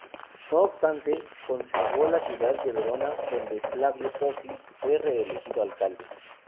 No obstante, conservó la ciudad de Verona, donde Flavio Tosi fue reelegido alcalde.